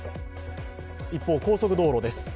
一方、高速道路です。